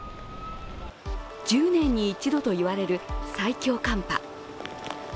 １０年に一度と言われる最強寒波。